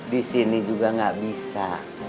di sini juga nggak bisa